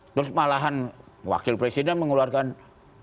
terus malahan wakil presiden mengeluarkan pernyataan mau perhitungan